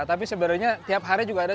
tapi sebenarnya tiap hari juga ada